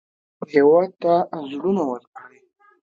هېواد ته زړونه ورکړئ